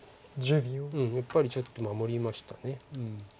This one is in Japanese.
やっぱりちょっと守りました。